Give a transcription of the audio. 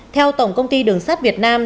theo tổng công ty đường sắt việt nam